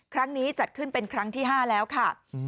ครั้งนี้จัดขึ้นเป็นครั้งที่๕แล้วค่ะ